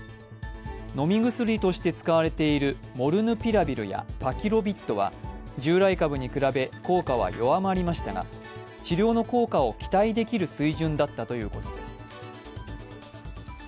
飲み薬として使われているモルヌピラビルやパキロビッドは従来株に比べ効果は弱まりましたが、治療の効果を期待できる水準だったということです。